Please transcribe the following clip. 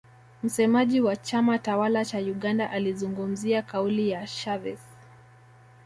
msemaji wa chama tawala cha uganda alizungumzia kauli ya chavez